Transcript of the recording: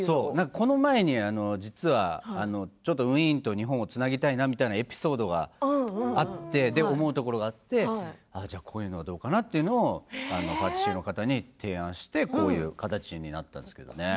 この前に、実はウィーンと日本をつなげたいなというエピソードがあって、思うところがあってじゃあこういうのはどうかなって提案して、こういう形になったんですよね。